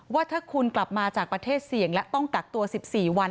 ว่าถ้าคุณกลับมาจากประเทศเสี่ยงและต้องกักตัว๑๔วัน